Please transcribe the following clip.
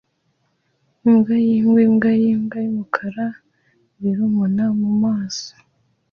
Imbwa yimbwa nimbwa yumukara biruma mumaso